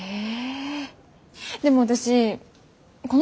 え。